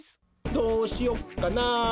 どうしよっかな。